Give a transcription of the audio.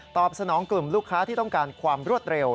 สนองกลุ่มลูกค้าที่ต้องการความรวดเร็ว